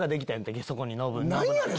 何やねん！